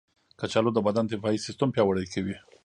کچالو د بدن دفاعي سیستم پیاوړی کوي.